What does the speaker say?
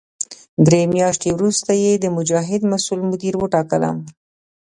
درې میاشتې وروسته یې د مجاهد مسوول مدیر وټاکلم.